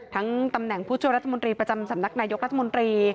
ตำแหน่งผู้ช่วยรัฐมนตรีประจำสำนักนายกรัฐมนตรี